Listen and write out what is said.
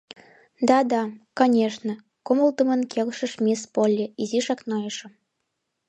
— Да-да, конешне, — кумылдымын келшыш мисс Полли, изишак нойышо.